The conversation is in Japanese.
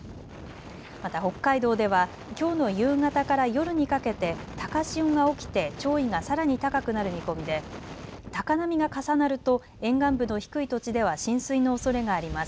また北海道ではきょうの夕方から夜にかけて高潮が起きて潮位がさらに高くなる見込みで高波が重なると沿岸部の低い土地では浸水のおそれがあります。